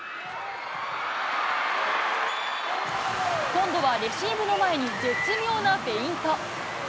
今度はレシーブの前に、絶妙なフェイント。